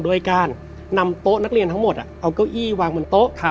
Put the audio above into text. ด้วยการนำโต๊ะนักเรียนทั้งหมดเอาเก้าอี้วางบนโต๊ะ